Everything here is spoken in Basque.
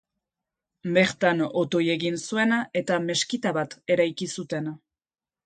Bertan otoi egin zuen eta meskita bat eraiki zuten.